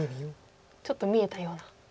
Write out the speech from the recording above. ちょっと見えたような。